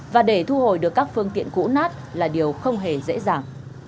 và để thu hồi được các phương tiện cũ nát là điều không hề dễ dàng